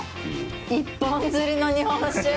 「一本釣り」の日本酒。